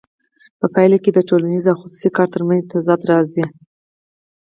په پایله کې د ټولنیز او خصوصي کار ترمنځ تضاد راځي